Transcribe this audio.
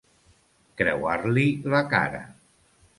Creuar-li la cara.